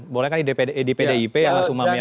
boleh kan di dpd ip ya mas umami yang ada